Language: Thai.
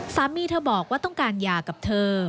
สามีเธอบอกว่าต้องการหย่ากับเธอ